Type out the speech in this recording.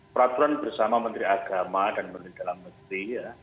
peraturan bersama menteri agama dan menteri dalam negeri ya